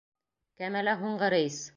КӘМӘЛӘ ҺУҢҒЫ РЕЙС